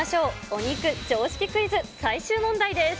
お肉常識クイズ最終問題です。